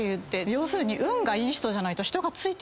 要するに。